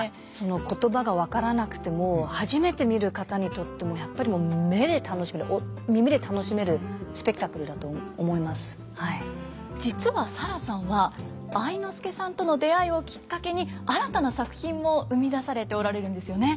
言葉が分からなくても初めて見る方にとってもやっぱり実はサラさんは愛之助さんとの出会いをきっかけに新たな作品も生み出されておられるんですよね。